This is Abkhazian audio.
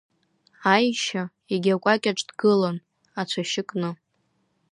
Аишьа егьи акәакьаҿ дгылан, ацәацәашь кны.